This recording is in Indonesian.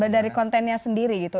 dari kontennya sendiri gitu